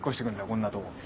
こんなとこ。